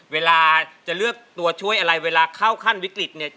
เวลาจะเลือกตัวช่วยอะไรเวลาเข้าขั้นวิกฤตเนี่ย